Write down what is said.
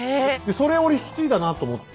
それ俺引き継いだなと思って。